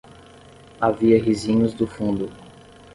Havia risinhos do fundo.